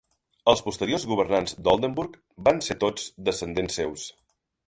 Els posteriors governants d'Oldenburg van ser tots descendents seus.